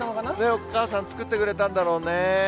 お母さん、作ってくれたんだろうね。